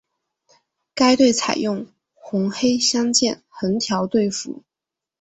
该队采用红黑相间横条队服。